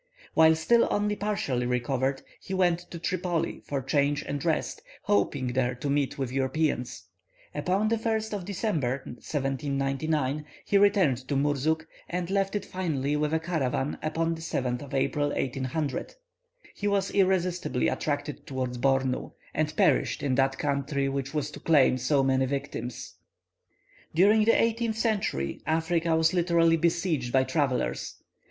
While still only partially recovered, he went to Tripoli for change and rest, hoping there to meet with Europeans. Upon the 1st of December, 1799, he returned to Murzuk, and left it finally with a caravan upon the 7th of April, 1800. He was irresistibly attracted towards Bornu, and perished in that country, which was to claim so many victims. During the eighteenth century, Africa was literally besieged by travellers.